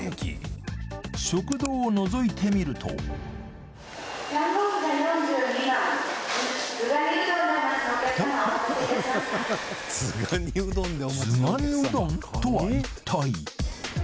食堂を覗いてみるとズガニうどんとは一体！？